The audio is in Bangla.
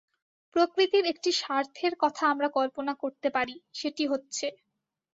প্রকৃতির একটি স্বার্থের কথা আমরা কল্পনা করতে পারি, সেটি হচ্ছে।